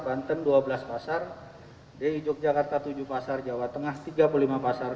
banten dua belas pasar di yogyakarta tujuh pasar jawa tengah tiga puluh lima pasar